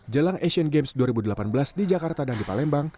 jelang asian games dua ribu delapan belas di jakarta dan di palembang